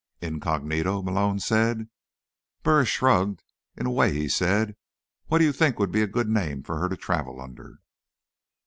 "Incognito?" Malone said. Burris shrugged. "In away," he said. "What do you think would be a good name for her to travel under?"